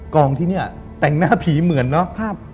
กองที่เนี่ยแต่งหน้าผีเหมือนเนาะ